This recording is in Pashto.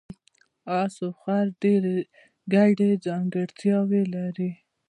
اس او خر ډېرې ګډې ځانګړتیاوې لري.